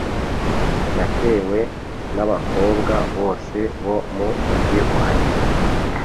natewe n’abakobwa bose bo mu Mugi wanjye.